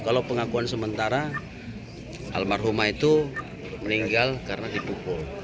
kalau pengakuan sementara almarhumah itu meninggal karena dipukul